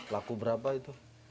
laku berapa itu